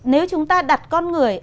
nếu chúng ta đặt con người